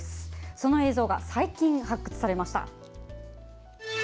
その映像が最近発掘されました。